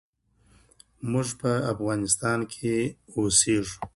موږ په افغانستان کې اوسیږو